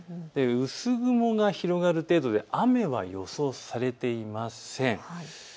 薄雲が広がる程度で雨は予想されていません。